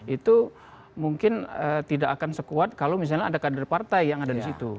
itu mungkin tidak akan sekuat kalau misalnya ada kader partai yang ada di situ